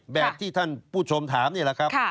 แบบที่ท่านผู้ชมถามนี่แหละครับ